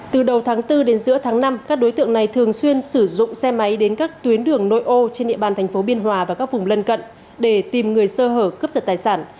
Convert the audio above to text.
từ đầu tháng bốn đến giữa tháng năm các đối tượng này thường xuyên sử dụng xe máy đến các tuyến đường nội ô trên địa bàn thành phố biên hòa và các vùng lân cận để tìm người sơ hở cướp giật tài sản